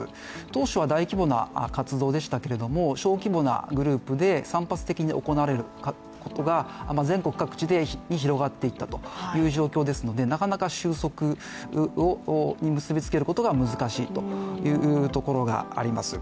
当初は大規模な活動でしたけども、小規模なグループで散発的に行われることが全国各地に広がっていったという状況ですのでなかなか収束に結びつけることが難しいところがあります。